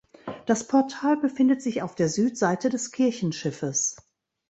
Das Portal befindet sich auf der Südseite des Kirchenschiffes.